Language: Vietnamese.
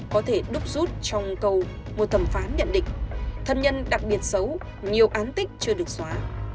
có thể đúc rút trong câu một thẩm phán nhận định thân nhân đặc biệt xấu nhiều án tích chưa được xóa